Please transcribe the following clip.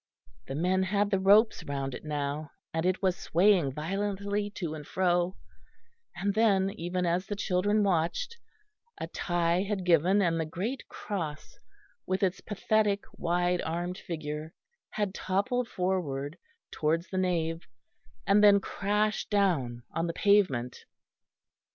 The men had the ropes round it now, and it was swaying violently to and fro; and then, even as the children watched, a tie had given, and the great cross with its pathetic wide armed figure had toppled forward towards the nave, and then crashed down on the pavement.